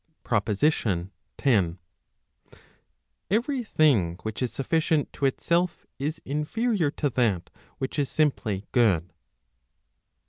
PROPOSITION X. Every thing which is sufficient to itself is inferior to tHat which is simply good.